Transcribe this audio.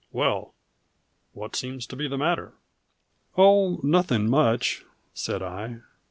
Well what seems to be the matter?" "Oh, nothing much," said I.